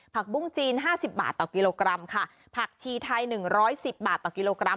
ผักบุ้งจีน๕๐บาทต่อกิโลกรัมค่ะผักชีไทย๑๑๐บาทต่อกิโลกรัม